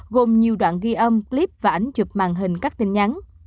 gồm nhiều đoạn ghi âm clip và ảnh chụp màn hình các tin nhắn